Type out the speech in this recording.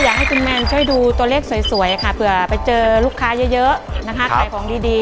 ก็อยากให้ดันที่ไม่ดูตัวเลขสวยอะคะเพื่อไปเจอลูกค้าเยอะนะคะของดีได้